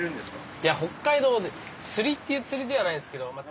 いや北海道で釣りっていう釣りではないんですけど。